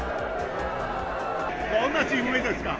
どんなチームメートですか？